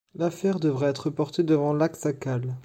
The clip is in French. L'affaire devra être portée devant l'Aksakal.